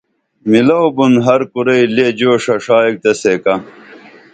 مِلو بُن ہر کُرئی لے جوشہ ݜا ایک تہ سیکہ